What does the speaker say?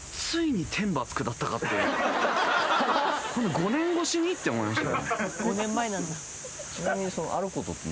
「５年越しに？」って思いましたよ。